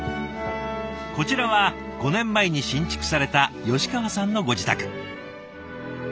こちらは５年前に新築された川さんのご自宅。